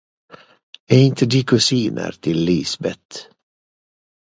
Är inte de kusiner till Lisbeth?